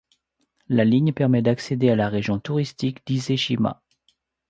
La ligne permet d’accéder à la région touristique d'Ise-Shima.